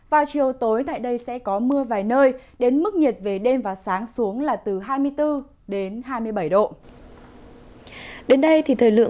vào chiều tối tại đây sẽ có mưa vài nơi đến mức nhiệt về đêm và sáng xuống là từ hai mươi bốn đến hai mươi bảy độ